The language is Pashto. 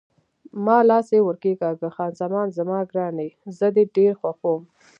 ما لاس یې ور کښېکاږه: خان زمان زما ګرانې، زه دې ډېر خوښوم.